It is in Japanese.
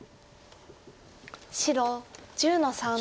白１０の三トビ。